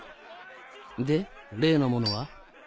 例のものは？